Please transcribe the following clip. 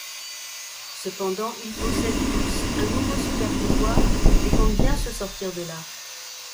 Cependant, ils possèdent tous un nouveau super-pouvoir et comptent bien se sortir de là.